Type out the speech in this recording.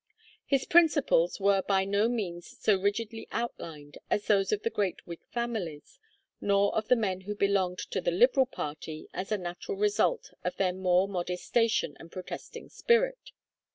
His principles were by no means so rigidly outlined as those of the great Whig families, nor of the men who belonged to the Liberal party as a natural result of their more modest station and protesting spirit.